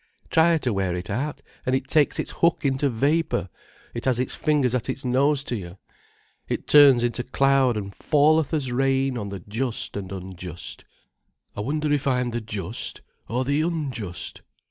Try to wear it out, and it takes its hook into vapour, it has its fingers at its nose to you. It turns into cloud and falleth as rain on the just and unjust. I wonder if I'm the just or the unjust."